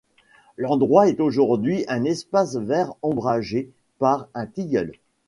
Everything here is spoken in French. L’endroit est aujourd’hui un espace vert ombragé par un tilleul.